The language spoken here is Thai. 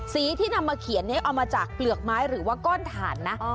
ที่นำมาเขียนนี้เอามาจากเปลือกไม้หรือว่าก้อนถ่านนะ